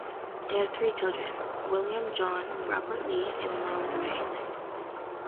They had three children, William John, Robert Lee, and Merle Ray.